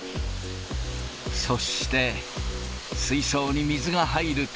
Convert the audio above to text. そして、水槽に水が入ると。